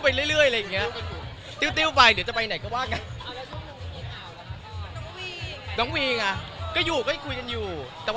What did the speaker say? ก็อยู่ก็คุยกันอยู่แต่ว่าเราไม่ได้เป็นไรกันอย่างนี้ครับ